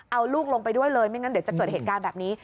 เอาลูกลงไปด้วยเลยไม่งั้นเดี๋ยวจะเกิดเหตุการณ์แบบนี้